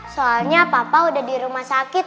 soalnya papa udah di rumah sakit